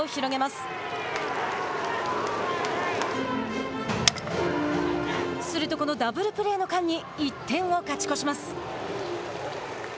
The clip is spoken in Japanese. すると、このダブルプレーの間に１点を勝ち越します。